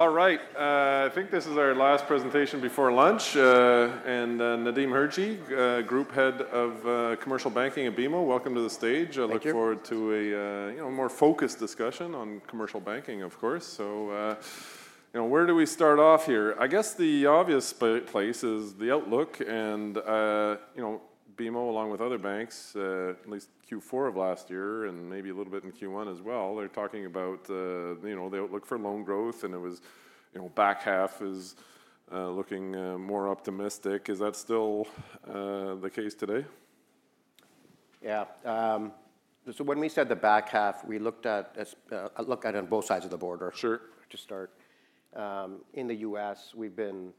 All right, I think this is our last presentation before lunch. And Nadim Hirji, Group Head of Commercial Banking at BMO, welcome to the stage. I look forward to a more focused discussion on commercial banking. Of course. So where do we start off here? I guess the obvious place is the outlook. And BMO, along with other banks, at least Q4 of last year and maybe a little bit in Q1 as well, they're talking about the outlook for loan growth. And it was, you know, back half is looking more optimistic. Is that still the case today? Yeah. When we said the back half, we looked at, look at on both sides of the border. To start in the U.S., we've been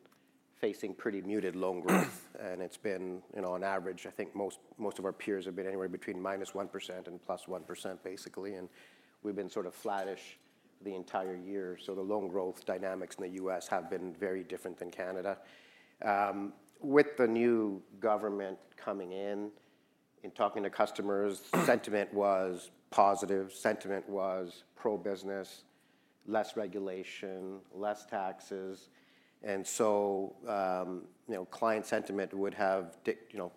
facing pretty muted loan growth. And it's been, you know, on average, I think most, most of our peers have been anywhere between -1% and +1%, basically. And we've been sort of flattish the entire year. The loan growth dynamics in the U.S. have been very different than Canada. With the new government coming in and talking to customers, sentiment was positive, sentiment was pro-business, less regulation, less taxes. And so client sentiment would have, you know,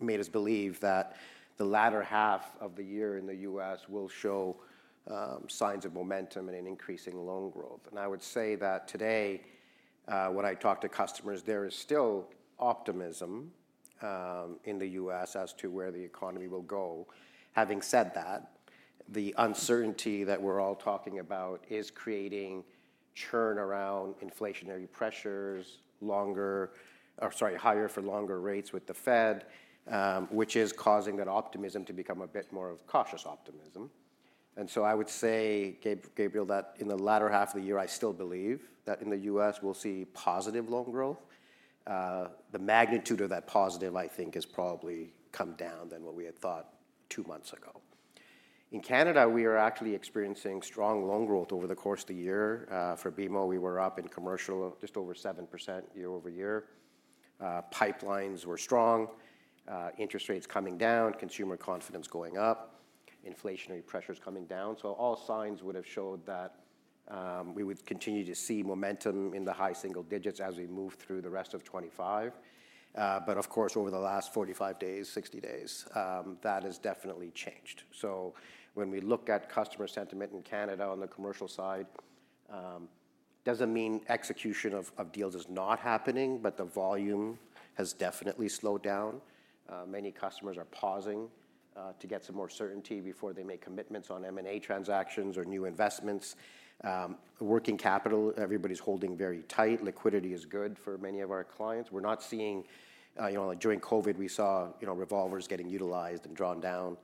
made us believe that the latter half of the year in the U.S. will show signs of momentum and an increasing loan growth. I would say that today when I talk to customers, there is still optimism in the U.S. as to where the economy will go. Having said that, the uncertainty that we're all talking about is creating churn around inflationary pressures, higher for longer rates with the Fed, which is causing that optimism to become a bit more of cautious optimism. I would say, Gabriel, that in the latter half of the year, I still believe that in the U.S. we'll see positive loan growth. The magnitude of that positive, I think, has probably come down than what we had thought two months ago. In Canada, we are actually experiencing strong loan growth over the course of the year. For BMO, we were up in commercial just over 7% year-over-year. Pipelines were strong, interest rates coming down, consumer confidence going up, inflationary pressures coming down. All signs would have showed that we would continue to see momentum in the high single digits as we move through the rest of 2025. Over the last 45 days, 60 days, that has definitely changed. When we look at customer sentiment in Canada on the commercial side, it does not mean execution of deals is not happening, but the volume has definitely slowed down. Many customers are pausing to get some more certainty before they make commitments on M&A transactions or new investments, working capital. Everybody's holding very tight. Liquidity is good for many of our clients. We're not seeing, you know, like during COVID we saw, you know, revolvers getting utilized and drawn down.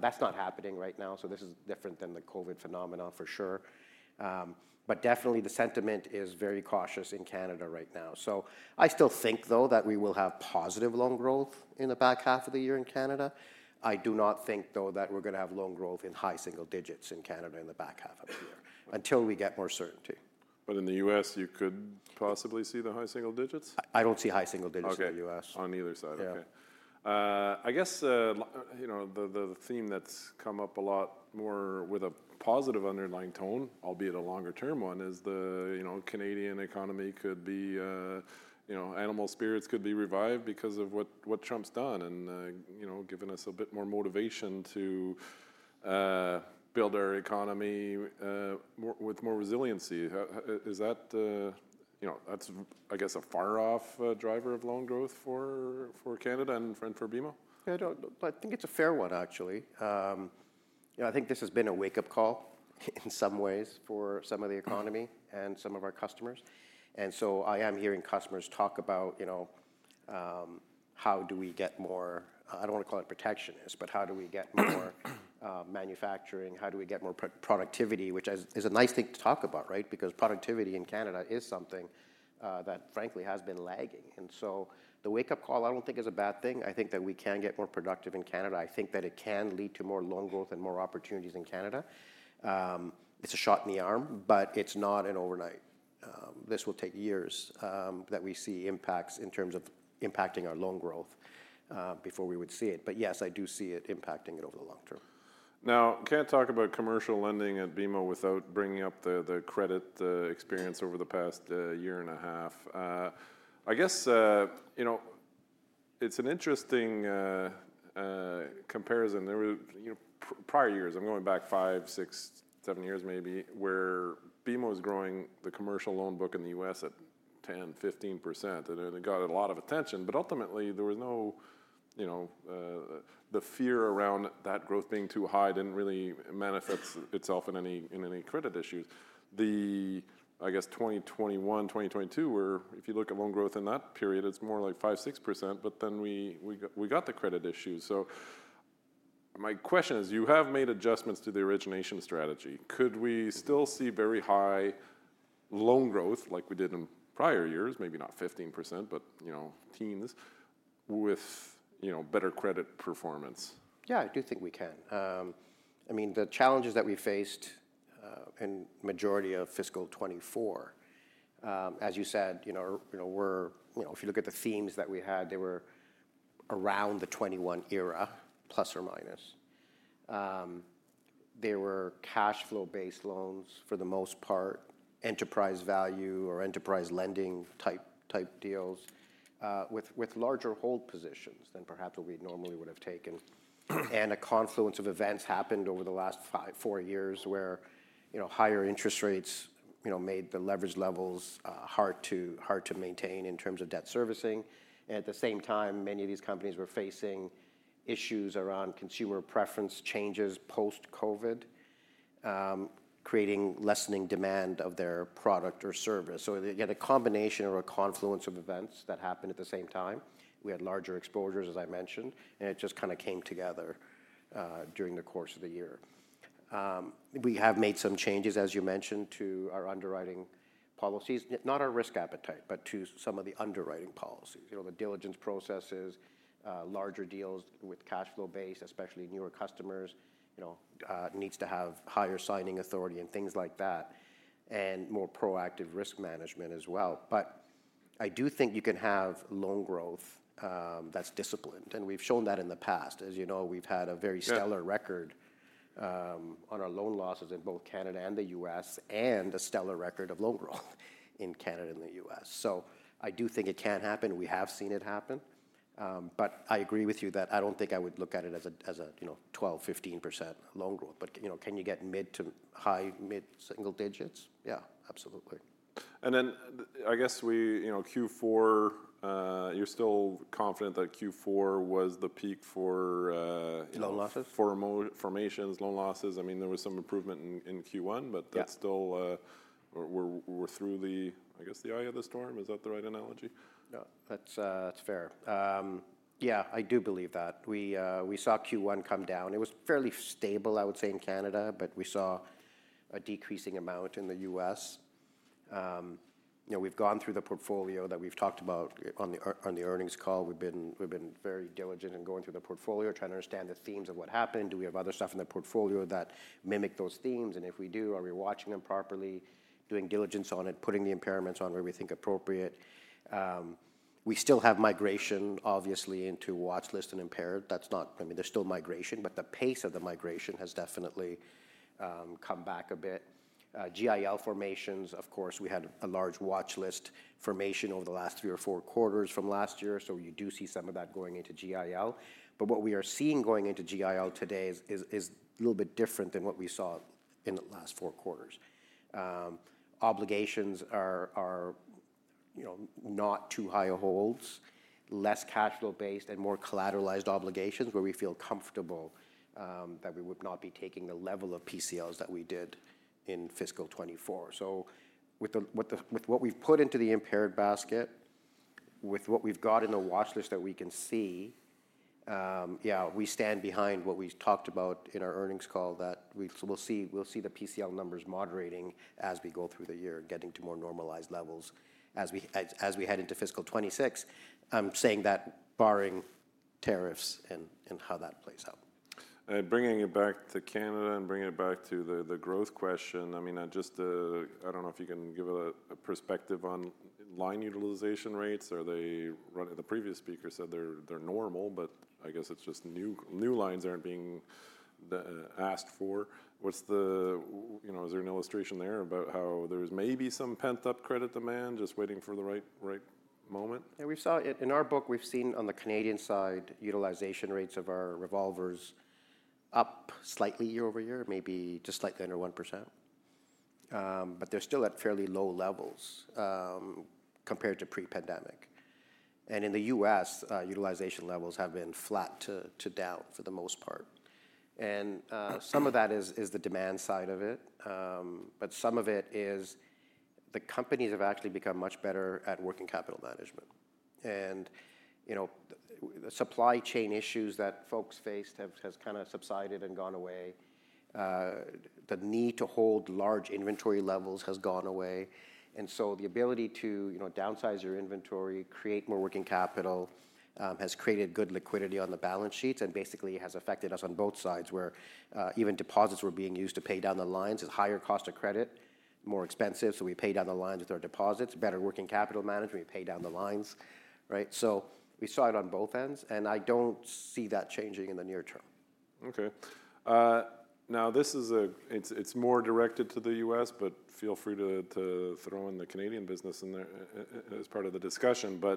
That's not happening right now. This is different than the COVID phenomenon for sure. Definitely the sentiment is very cautious in Canada right now. I still think though that we will have positive loan growth in the back half of the year in Canada. I do not think though that we're going to have loan growth in high single digits in Canada in the back half of the year until we get more certainty. In the U.S. you could possibly see the high single digits? I don't see high single digits in. The U.S. on either side. I guess the theme that's come up a lot more with a positive underlying tone, albeit a longer term one, is the Canadian economy could be, you know, animal spirits could be revived because of what Trump's done and, you know, given us a bit more motivation to build our economy with more resiliency. Is that, you know, that's, I guess, a far off driver of loan growth for Canada and for BMO? I think it's a fair one, actually. I think this has been a wake up call in some ways for some of the economy and some of our customers. I am hearing customers talk about how do we get more, I don't want to call it protectionist, but how do we get more manufacturing, how do we get more productivity? Which is a nice thing to talk about. Right, because productivity in Canada is something that frankly has been lagging. The wake up call I don't think is a bad thing. I think that we can get more productive in Canada. I think that it can lead to more loan growth and more opportunities in Canada. It's a shot in the arm, but it's not an overnight. This will take years that we see impacts in terms of impacting our loan growth before we would see it. Yes, I do see it impacting it over the long term. Now, can't talk about commercial lending at BMO without bringing up the credit experience over the past year and a half. I guess, you know, it's an interesting comparison. There were prior years, I'm going back five, six, seven years maybe, where BMO was growing the commercial loan book in the U.S. at 10% to 15% and it got a lot of attention. Ultimately there was no, you know, the fear around that growth being too high didn't really manifest itself in any, in any credit issues. I guess 2021, 2022 were, if you look at loan growth in that period, it's more like 5% to 6%. Then we got the credit issues. My question is, you have made adjustments to the origination strategy. Could we still see very high loan growth like we did in prior years? Maybe not 15%, but you know, teens with, you know, better credit performance? Yeah, I do think we can. I mean the challenges that we faced in majority of fiscal 2024 as you said, you know, were, you know, if you look at the themes that we had, they were around the 2021 era, plus or minus. There were cash flow-based loans for the most part, enterprise value or enterprise lending type deals with larger hold positions than perhaps we normally would have taken. A confluence of events happened over the last four years where higher interest rates made the leverage levels hard to maintain in terms of debt servicing. At the same time, many of these companies were facing issues around consumer preference changes post-COVID creating lessening demand of their product or service. You get a combination or a confluence of events that happened at the same time. We had larger exposures as I mentioned, and it just kind of came together during the course of the year. We have made some changes, as you mentioned, to our underwriting policies, not our risk appetite, but to some of the underwriting policies. You know, the diligence processes, larger deals with cash flow-based, especially newer customers, you know, needs to have higher signing authority and things like that and more proactive risk management as well. I do think you can have loan growth that's disciplined and we've shown that in the past. As you know, we've had a very stellar record on our loan losses in both Canada and the U.S. and a stellar record of loan growth in Canada and the U.S., so I do think it can happen. We have seen it happen. I agree with you that I don't think I would look at it as a 12% to 15% loan growth. Can you get mid to high, mid single digits? Yeah, absolutely. I guess Q4, you're still confident that Q4 was the peak for, for loan losses, for formations, loan losses? I mean there was some improvement in Q1, but that's still. We're through the, I guess the eye of the storm. Is that the right analogy? That's fair. Yeah, I do believe that we saw Q1 come down. It was fairly stable, I would say, in Canada, but we saw a decreasing amount in the U.S. We've gone through the portfolio that we've talked about on the earnings call. We've been very diligent in going through the portfolio, trying to understand the themes of what happened. Do we have other stuff in the portfolio that mimic those themes? And if we do, are we watching them properly, doing diligence on it, putting the impairments on where we think appropriate? We still have migration obviously into watchlist and impaired. That's not. I mean, there's still migration, but the pace of the migration has definitely come back a bit. GIL formations, of course, we had a large watchlist for over the last three or four quarters from last year. You do see some of that going into GIL. What we are seeing going into GIL today is a little bit different than what we saw in the last four quarters. Obligations are not too high a hold, less cash flow-based and more collateralized obligations where we feel comfortable that we would not be taking the level of PCLs that we did in fiscal 2024. With what we've put into the impaired basket, with what we've got in the watchlist that we can see, we stand behind what we talked about in our earnings call that we'll see the PCL numbers moderating as we go through the year, getting to more normalized levels as we head into fiscal 2026. I'm saying that barring tariffs and how. That plays out. Bringing it back to Canada and bringing it back to the growth question. I mean, I don't know if you can give a perspective on line utilization rates. Are they running? The previous speaker said they're normal, but I guess it's just new lines aren't being asked for. What's the, you know, is there an illustration there about how there's maybe some pent up credit demand just waiting for the right moment? Yeah, we saw in our book, we've seen on the Canadian side utilization rates of our revolvers up slightly year-over-year, maybe just slightly under 1% but they're still at fairly low levels compared to pre-pandemic. In the U.S. utilization levels have been flat to down for the most part. Some of that is the demand side of it, but some of it is the companies have actually become much better at working capital management. You know, the supply chain issues that folks faced have kind of subsided and gone away. The need to hold large inventory levels has gone away and the ability to, you know, downsize your inventory, create more working capital, has created good liquidity on the balance sheets and basically has affected us on both sides. Where even deposits were being used to pay down the lines is higher cost of credit, more expensive. We pay down the lines with our deposits. Better working capital management. We pay down the lines. Right. We saw it on both ends and I do not see that changing in the near term. Okay, now this is a, it's more directed to the U.S. but feel free to throw in the Canadian business in there as part of the discussion. There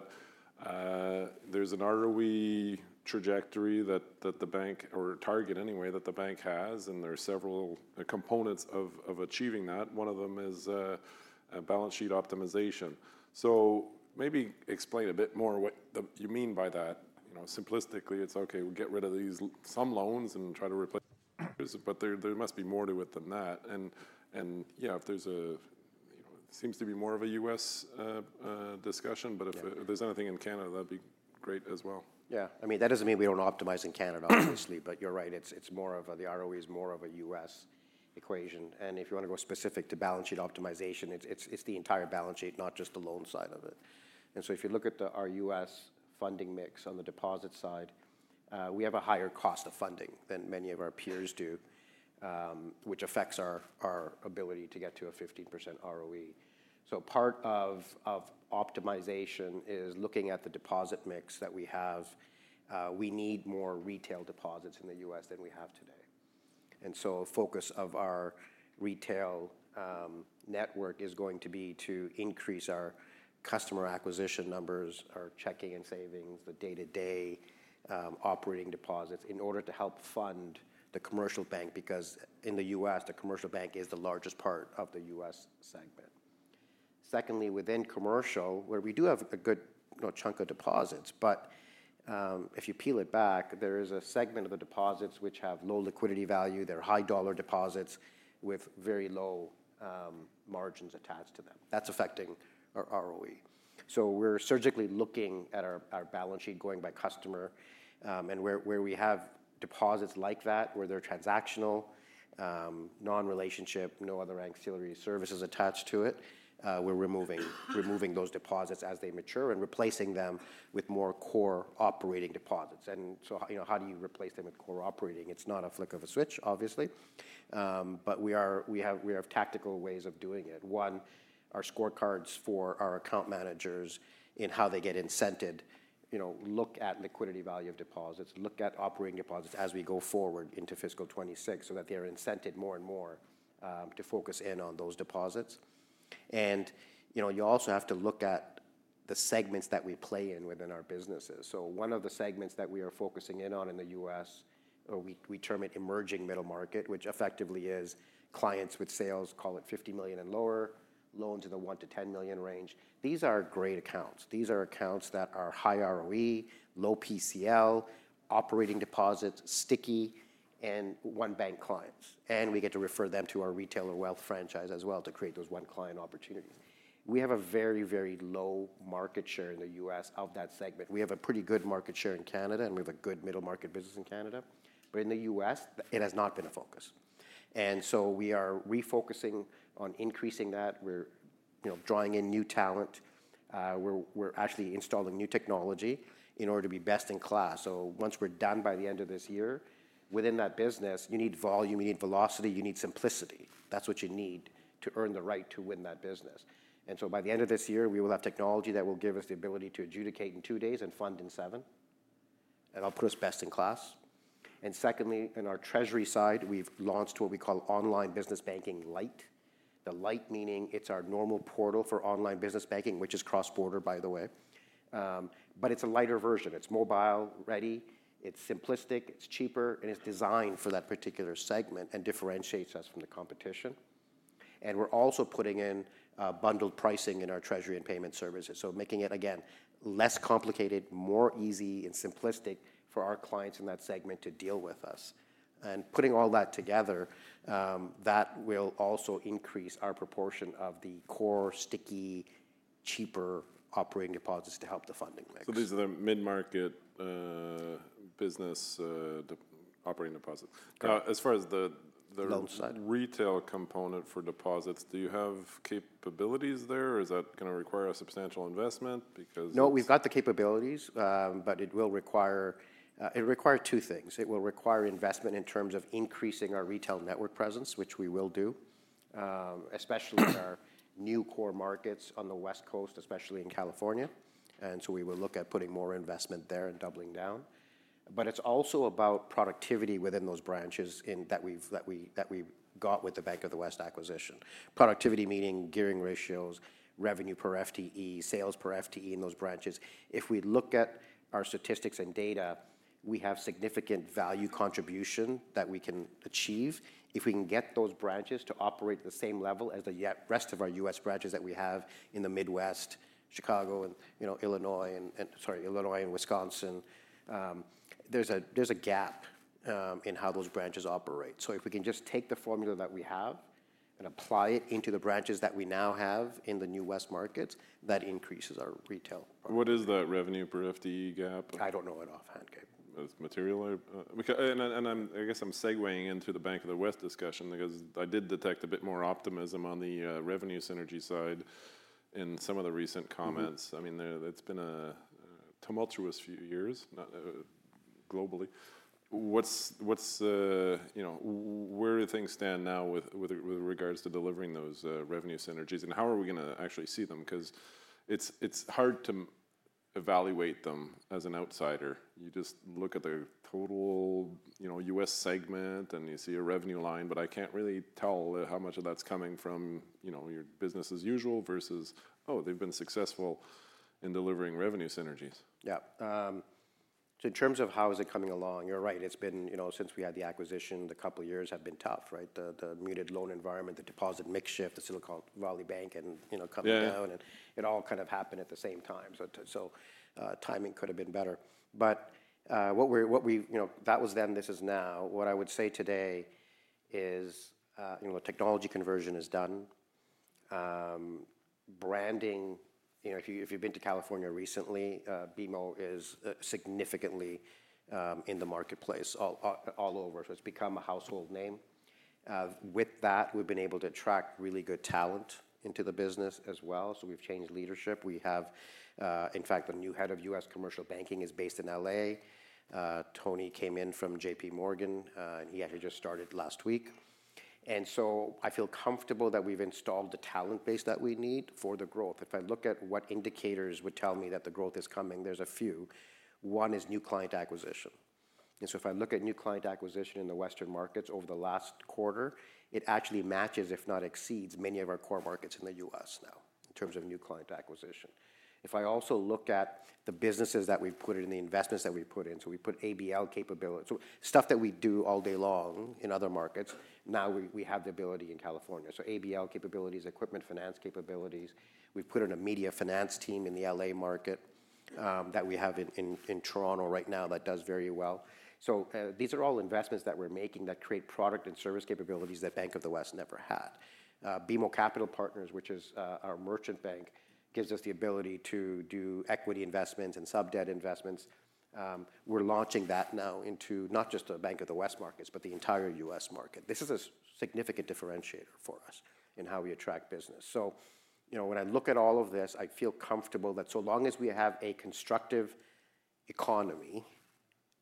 is an ROE trajectory that the bank, or target anyway, that the bank has and there are several components of achieving that. One of them is balance sheet optimization. Maybe explain a bit more what you mean by that. You know, simplistically it's okay, we'll get rid of these some loans and try to replace, but there must be more to it than that. Yeah, if there's a, you know, it seems to be more of a U.S. discussion, but if there's anything in Canada, that'd be great as well. Yeah, I mean that doesn't mean we don't optimize in Canada obviously, but you're right, it's more of the ROE is more of a U.S. equation. If you want to go specific to balance sheet optimization, it's the entire balance sheet, not just the loan side of it. If you look at our U.S. funding mix on the deposit side, we have a higher cost of funding than many of our peers do, which affects our ability to get to a 15% ROE. Part of optimization is looking at the deposit mix that we have. We need more retail deposits in the U.S. than we have today. A focus of our retail network is going to be to increase our customer acquisition numbers, our checking and savings, the day-to-day operating deposits in order to help fund the commercial bank. Because in the U.S. the commercial bank is the largest part of the U.S. segment. Secondly, within commercial where we do have a good, you know, chunk of deposits, but if you peel it back, there is a segment of the deposits which have low liquidity value. They're high dollar deposits with very low margins attached to them. That's affecting our ROE. We are surgically looking at our balance sheet going by customer. Where we have deposits like that, where they're transactional, non-relationship, no other ancillary services attached to it, we're removing those deposits as they mature and replacing them with more core operating deposits. How do you replace them with core operating? It's not a flick of a switch obviously, but we have tactical ways of doing it. One, our scorecards for our account managers in how they get incented, look at liquidity value of deposits, look at operating deposits as we go forward into fiscal 2026. That way, they're incented more and more to focus in on those deposits. You know, you also have to look at the segments that we play in within our businesses. One of the segments that we are focusing in on in the U.S., or we term it Emerging Middle Market, which effectively is clients with sales, call it $50 million and lower, loans in the $1 million to $10 million range. These are great accounts. These are accounts that are high ROE, low PCL, low operating deposits, sticky and one-bank clients. We get to refer them to our retail or wealth franchise as well to create those one client opportunities. We have a very, very low market share in the U.S. of that segment. We have a pretty good market share in Canada and we have a good middle market business in Canada. In the U.S. it has not been a focus. We are refocusing on increasing that. We're drawing in new talent, we're actually installing new technology in order to be best in class. Once we're done by the end of this year, within that business you need volume, you need velocity, you need simplicity. That's what you need to earn the right to win that business. By the end of this year we will have technology that will give us the ability to adjudicate in two days and fund in seven and I'll put us best in class. Secondly, in our treasury side, we have launched what we call Online Business Banking Lite, the Lite meaning it is our normal portal for online business banking, which is cross border by the way, but it is a lighter version, it is mobile ready, it is simplistic, it is cheaper, and it is designed for that particular segment and differentiates us from the competition. We are also putting in bundled pricing in our Treasury and Payment Services, making it again less complicated, more easy and simplistic for our clients in that segment to deal with us. Putting all that together, that will also increase our proportion of the core sticky cheaper operating deposits to help the funding mix. These are the mid-market business operating deposits. As far as the retail component for deposits, do you have capabilities there or is that going to require a substantial investment? No, we've got the capabilities, but it will require two things. It will require investment in terms of increasing our retail network presence, which we will do, especially our new core markets on the West Coast, especially in California. We will look at putting more investment there and doubling down. It is also about productivity within those branches that we got with the Bank of the West acquisition, productivity meaning gearing ratios, revenue per FTE, sales per FTE in those branches. If we look at our statistics and data, we have significant value contribution that we can achieve if we can get those branches to operate at the same level as the rest of our U.S. branches that we have in the Midwest—Chicago, Illinois, and Wisconsin. There is a gap in how those branches operate. If we can just take the formula that we have and apply it into the branches that we now have in the new West markets, that increases our retail. What is that revenue per FTE gap? I don't know it offhand material. I guess I'm segueing into the Bank of the West discussion because I did detect a bit more optimism on the revenue synergy side in some of the recent comments. I mean, it's been a tumultuous few years globally. Where do things stand now with regards to delivering those revenue synergies and how are we going to actually see them? Because if it's hard to evaluate them as an outsider, you just look at the total U.S. segment and you see a revenue line. I can't really tell how much of that's coming from your business as usual versus oh, they've been successful in delivering revenue synergies. Yeah. In terms of how is it coming along? You're right. It's been since we had the acquisition, the couple years have been tough. The muted loan environment, the deposit mix shift, the look at Silicon Valley Bank and coming down and it all kind of happened at the same time. Timing could have been better. What we that was then, this is now. What I would say today is technology conversion is done, branding. If you've been to California recently, BMO is significantly in the marketplace all over. It's become a household name. With that, we've been able to attract really good talent into the business as well. We've changed leadership. We have in fact. The new Head of U.S. Commercial Banking is based in Los Angeles. Tony came in from JPMorgan. He actually just started last week. I feel comfortable that we've installed the talent base that we need for the growth. If I look at what indicators would tell me that the growth is coming, there's a few. One is new client acquisition. If I look at new client acquisition in the Western markets over the last quarter, it actually matches, if not exceeds, many of our core markets in the U.S. now in terms of new client acquisition. If I also look at the businesses that we've put in, the investments that we've put in. We put ABL capability, stuff that we do all day long in other markets. Now we have the ability in California. ABL capabilities, Equipment Finance capabilities. We put in a Media Finance team in the LA market that we have in Toronto right now that does very well. These are all investments that we're making that create product and service capabilities that Bank of the West never had. BMO Capital Partners, which is our merchant bank, gives us the ability to do equity investments and sub-debt investments. We're launching that now into not just the Bank of the West markets, but the entire U.S. market. This is a significant differentiator for us in how we attract business. You know, when I look at all of this, I feel comfortable that so long as we have a constructive economy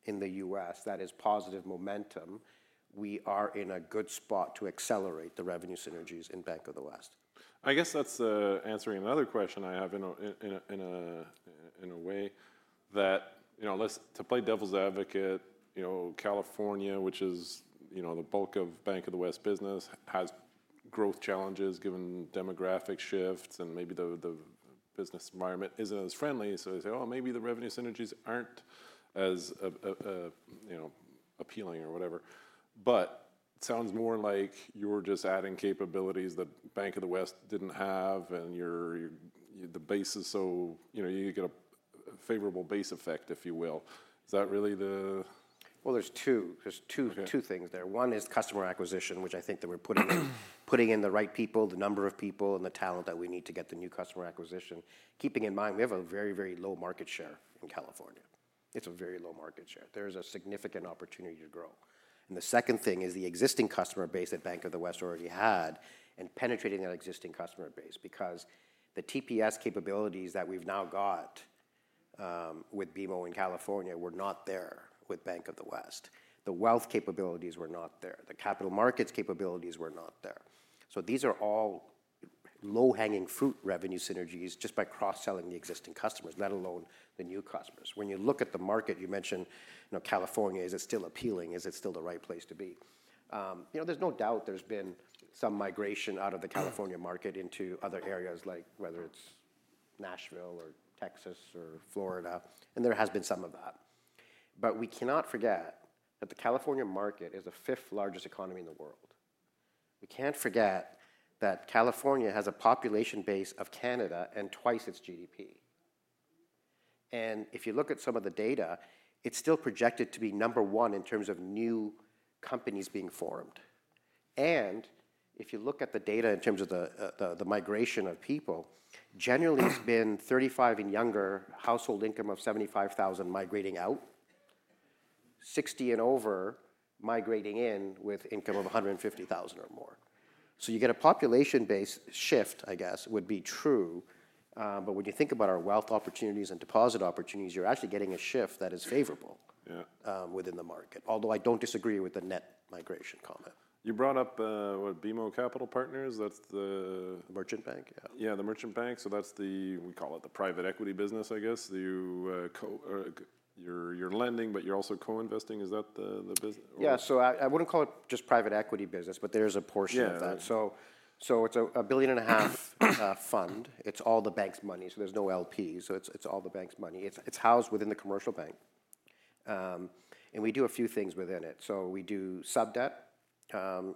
in the U.S. that is positive momentum, we are in a good spot to accelerate the revenue synergies in Bank of the West. I guess that's answering another question I have in a way that, you know, to play devil's advocate, you know, California, which is, you know, the bulk of Bank of the West business, has growth challenges given demographic shifts and maybe the business environment isn't as friendly. They say, oh, maybe the revenue synergies aren't as appealing or whatever. It sounds more like you're just adding capabilities that Bank of the West didn't have. And the base is. You get a favorable base effect, if you will. Is that really the. There are two things there. One is customer acquisition, which I think that we're putting in the right people, the number of people and the talent that we need to get the new customer acquisition. Keeping in mind we have a very, very low market share in California. It is a very low market share. There is a significant opportunity to grow. The second thing is the existing customer base that Bank of the West already had and penetrating that existing customer base because the TPS capabilities that we've now got with BMO in California were not there. With Bank of the West, the wealth capabilities were not there, the capital markets capabilities were not there. These are all low-hanging fruit revenue synergies just by cross selling the existing customers, let alone the new customers. When you look at the market you mentioned California, is it still appealing? Is it still the right place to be? There's no doubt there's been some migration out of the California market into other areas like whether it's Nashville or Texas or Florida. There has been some of that. We cannot forget that the California market is the fifth largest economy in the world, we can't forget that California has a population base of Canada and twice its GDP. If you look at some of the data, it's still projected to be number one in terms of new companies being formed. If you look at the data in terms of the migration of people, generally it's been 35 and younger, household income of $75,000, migrating out, 60 and over migrating in with income of $150,000 or more. You get a population based shift I guess would be true. When you think about our wealth opportunities and deposit opportunities, you're actually getting a shift that is favorable within the market. Although I don't disagree with the net migration comment. You brought up BMO Capital Partners. That's the merchant bank. Yeah, yeah, the merchant bank. That's the, we call it the private equity business. I guess you're lending but you're also co-investing. Is that the business? Yeah, so I wouldn't call it just private equity business, but there's a portion of that. So it's a $1.5 billion fund. It's all the bank's money, so there's no LP. So it's all the bank's money. It's housed within the commercial bank and we do a few things within it. So we do sub-debt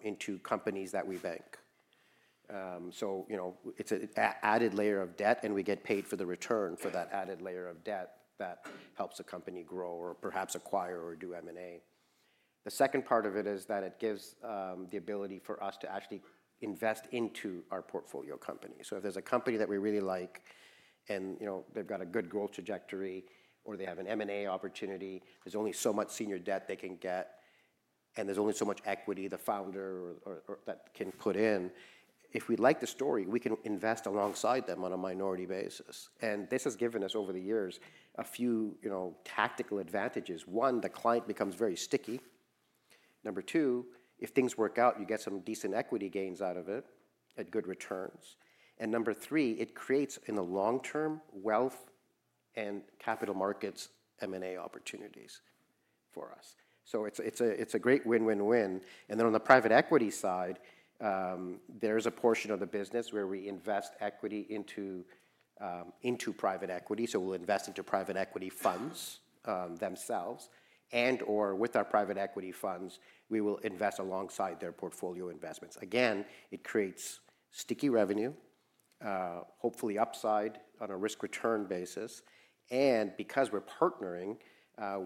into companies that we bank. So, you know, it's an added layer of debt and we get paid for the return for that added layer of debt that helps a company grow or perhaps acquire or do M&A. The second part of it is that it gives the ability for us to actually invest into our portfolio company. If there's a company that we really like and you know they've got a good growth trajectory or they have an M&A opportunity, there's only so much senior debt they can get and there's only so much equity the founder can put in. If we like the story, we can invest alongside them on a minority basis. This has given us over the years a few tactical advantages. One, the client becomes very sticky. Number two, if things work out, you get some decent equity gains out of it at good returns. Number three, it creates in the long term wealth and capital markets M&A opportunities for us. It's a great win, win, win. On the private equity side, there is a portion of the business where we invest equity into private equity. We will invest into private equity funds themselves and or with our private equity funds we will invest alongside their portfolio investments. Again, it creates sticky revenue, hopefully upside on a risk return basis. And because we're partnering,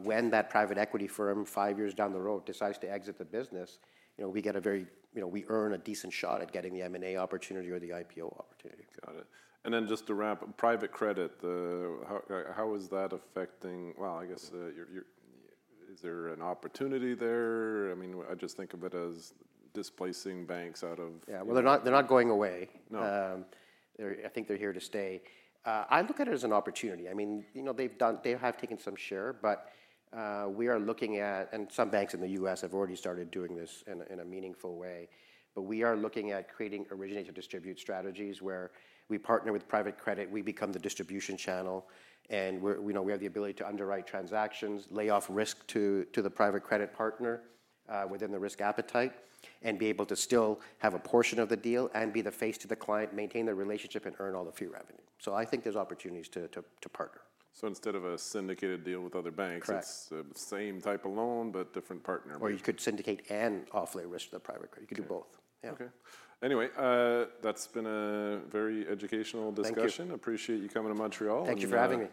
when that private equity firm five years down the road decides to exit the business, you know, we get a very, you know, we earn a decent shot at getting the M&A opportunity or the IPO opportunity. Got it. Just to wrap private credit. How is that affecting? I guess is there an opportunity there? I mean, I just think of it as displacing banks out of. Yeah, they're not going away. I think they're here to stay. I look at it as an opportunity. I mean, you know, they've done. They have taken some share. We are looking at, and some banks in the U.S. have already started doing this in a meaningful way, but we are looking at creating originate-to-distribute strategies where we partner with private credit, we become the distribution channel and we have the ability to underwrite transactions, lay off risk to the private credit partner within the risk appetite and be able to still have a portion of the deal and be the face to the client, maintain the relationship and earn all the fee revenue. I think there's opportunities to partner. Instead of a syndicated deal with other banks, it's the same type of loan, but different partner. You could syndicate and offlay risk to the private credit. You could do both. Anyway, that's been a very educational discussion. Appreciate you coming to Montreal. Thank you for having me.